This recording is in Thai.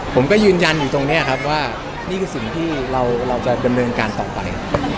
ผมก็ยืนยันอยู่ตรงนี้ครับว่านี่คือสิ่งที่เราจะดำเนินการต่อไป